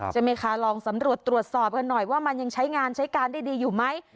ใช่ไหมคะลองสำรวจตรวจสอบกันหน่อยว่ามันยังใช้งานใช้การได้ดีอยู่ไหม